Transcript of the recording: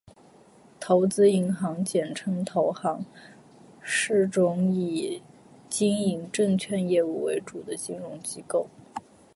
投资银行，简称投行，是种以经营证券业务为主的金融机构